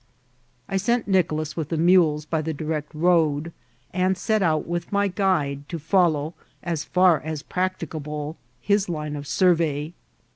I sent Nicolas with the mules by the di rect road, and set out with my guide to follow, as far as practicable, his Une of survey.